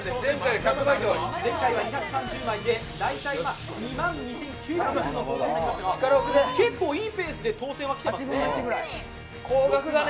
前回は２３０万円で大体２万円ほどでしたが結構いいペースで当選が来てますね。